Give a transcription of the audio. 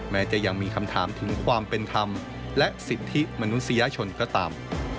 แม้จะยังมีคำถามถึงความเป็นธรรมและสิทธิมนุษยชนก็ตาม